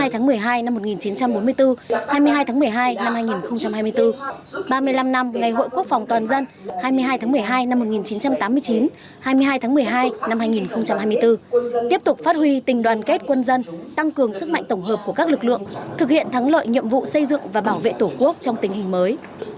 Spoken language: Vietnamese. hai mươi tháng một mươi hai năm một nghìn chín trăm bốn mươi bốn hai mươi hai tháng một mươi hai năm hai nghìn hai mươi bốn ba mươi năm năm ngày hội quốc phòng toàn dân hai mươi hai tháng một mươi hai năm một nghìn chín trăm tám mươi chín hai mươi hai tháng một mươi hai năm hai nghìn hai mươi bốn tiếp tục phát huy tình đoàn kết quân dân tăng cường sức mạnh tổng hợp của các lực lượng thực hiện thắng lợi nhiệm vụ xây dựng và bảo vệ tổ quốc trong tình hình mới